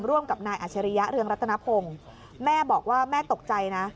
ร่วมกับนายอาชริยะเรืองรัตนพงศ์แม่บอกว่าแม่ตกใจนะ